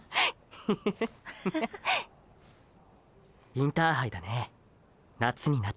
インターハイだね夏になったら。